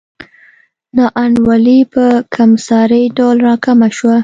نا انډولي په کمسارې ډول راکمه شوه.